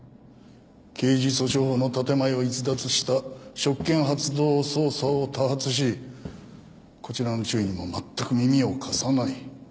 刑事訴訟法の建前を逸脱した職権発動捜査を多発しこちらの注意にもまったく耳を貸さない。